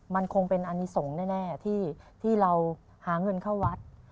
มันคงเป็นอนิสงฆ์แน่ที่เราหาเงินเข้าวัด